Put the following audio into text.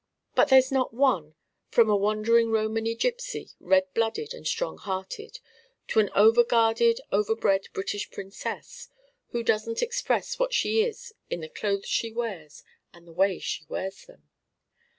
But there's not one from a wandering Romany gypsy, red blooded and strong hearted, to an over guarded overbred British princess who doesn't express what she is in the clothes she wears and the way she wears them.